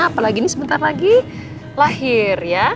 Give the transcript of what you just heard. apalagi ini sebentar lagi lahir ya